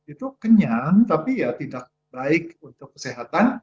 itu kenyang tapi ya tidak baik untuk kesehatan